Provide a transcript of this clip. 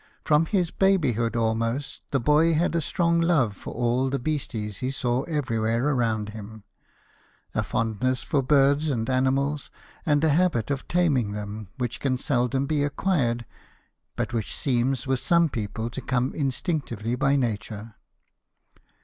From his babyhood, almost, the boy had a strong love for all the beasties he saw every where around him ; a fondness for birds and animals, and a habit of taming them which can seldom be acquired, but which seems with some people to come instinctively by nature.